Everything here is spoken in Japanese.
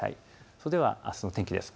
それではあすの天気です。